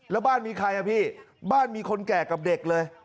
แล้วบ้านมีใครอ่ะพี่บ้านมีคนแก่กับเด็กเลย